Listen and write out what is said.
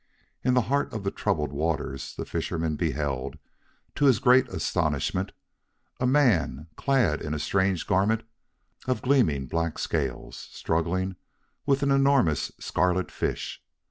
In the heart of the troubled waters, the fisherman beheld, to his great astonishment, a man clad in a strange garment of gleaming black scales, struggling with an enormous scarlet fish.